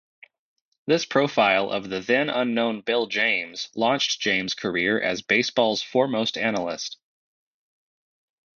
This profile of the then-unknown Bill James launched James's career as baseball's foremost analyst.